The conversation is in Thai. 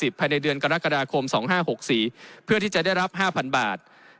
ภายในเดือนกรกฎาคม๒๕๖๔เพื่อที่จะได้รับ๕๐๐บาท